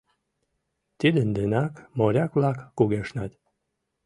Тидын денак моряк-влак кугешнат.